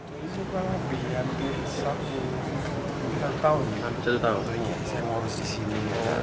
saya suka mengurus kartu tanda penduduk di sini